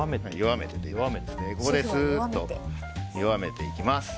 ここで、すっと弱めていきます。